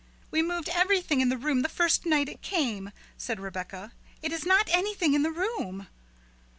"We moved everything in the room the first night it came," said Rebecca; "it is not anything in the room."